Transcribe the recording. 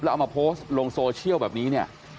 เอามาโพสต์ลงโซเชียลแบบนี้เนี่ย